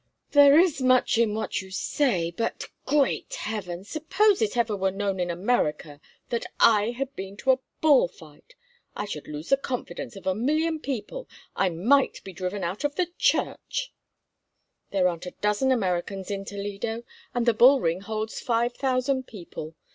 "There is much in what you say, but—great Heaven!—suppose it ever were known in America that I had been to a bull fight! I should lose the confidence of a million people—I might be driven out of the Church—" "There aren't a dozen Americans in Toledo—and the bull ring holds five thousand people.